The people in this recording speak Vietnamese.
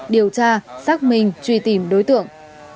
điều tra xác minh truy tìm đối tượng